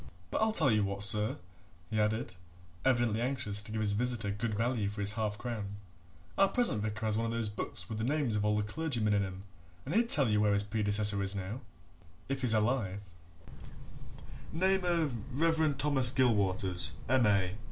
But I'll tell you what, sir," he added, evidently anxious to give his visitor good value for his half crown, "our present vicar has one of those books with the names of all the clergymen in 'em, and he'd tell you where his predecessor is now, if he's alive name of Reverend Thomas Gilwaters, M.A.